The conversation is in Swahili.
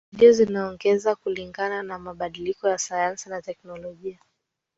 redio zinaongezeka kulingana na mabadiliko ya sayansi na teknolojia